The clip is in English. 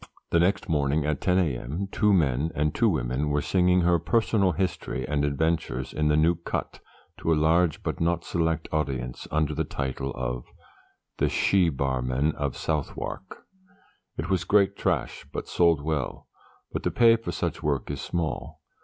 The next morning, at 10 a.m., two men and two women were singing her personal history and adventures in the New Cut, to a large but not select audience, under the title of 'The She Barman of Southwark.' It was great trash, but sold well but the pay for such work is small.